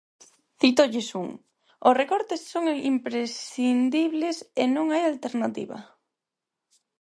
Cítolles un: "Os recortes son imprescindibles e non hai alternativa".